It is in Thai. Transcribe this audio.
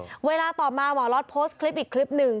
เวลาต่อมาหมอล็อตโพสต์คลิปอีกคลิปหนึ่ง